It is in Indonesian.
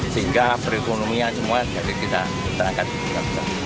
sehingga perekonomian semua jadi kita terangkan